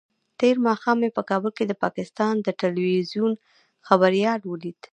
تېر ماښام مې په کابل کې د پاکستان د ټلویزیون خبریال ولید.